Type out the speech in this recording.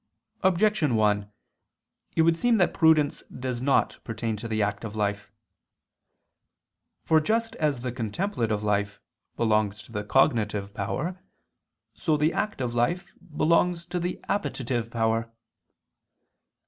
Objection 1: It would seem that prudence does not pertain to the active life. For just as the contemplative life belongs to the cognitive power, so the active life belongs to the appetitive power.